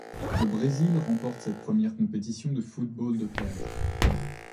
Le Brésil remporte cette première compétition de football de plage.